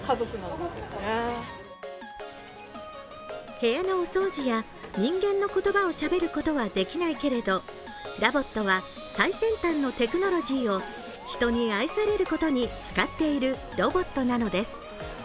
部屋のお掃除や人間の言葉をしゃべることはできないけれど、ラボットは最先端のテクノロジーを人に愛されることに使っているロボットなのです。